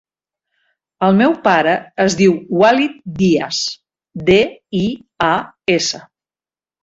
El meu pare es diu Walid Dias: de, i, a, essa.